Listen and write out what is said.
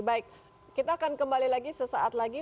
baik kita akan kembali lagi sesaat lagi